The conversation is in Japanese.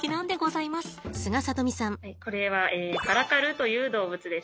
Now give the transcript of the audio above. これはカラカルという動物です。